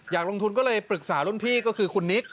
อยากลงทุนก็เลยปรึกษารุ่นพี่ก็คือคุณนิก